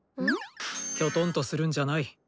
キョトンとするんじゃない。